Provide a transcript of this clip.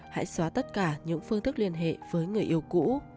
hãy xóa tất cả những phương thức liên hệ với người yêu cũ